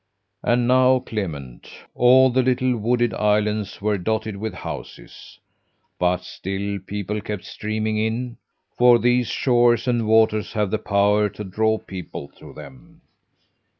"And now, Clement, all the little wooded islands were dotted with houses, but still people kept streaming in; for these shores and waters have the power to draw people to them.